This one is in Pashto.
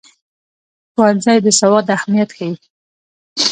ښوونځی د سواد اهمیت ښيي.